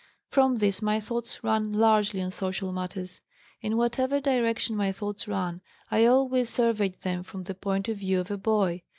From this my thoughts ran largely on social matters. In whatever direction my thoughts ran I always surveyed them from the point of view of a boy.